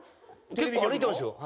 結構歩いてますよ。